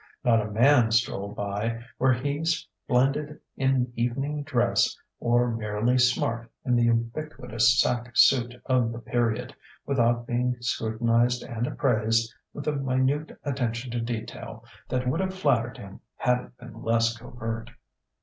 Not a man strolled by, were he splendid in evening dress or merely "smart" in the ubiquitous "sack suit" of the period, without being scrutinized and appraised with a minute attention to detail that would have flattered him had it been less covert.